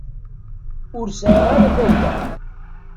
Ur sɛiɣ ara tawla.